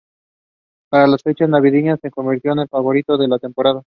Para las fechas navideñas, se convirtió en el favorito de la temporada.